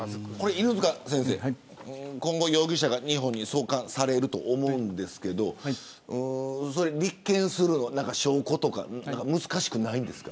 犬塚先生、今後容疑者が日本に送還されると思いますが立件する証拠とか難しくないですか。